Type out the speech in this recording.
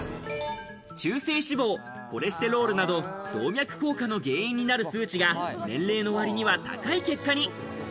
中性脂肪、コレステロールなど、動脈硬化の原因になる数値が、年齢のわりには高い結果に。